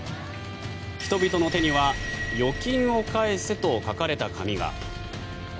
人々の手には預金を返せと書かれた紙が。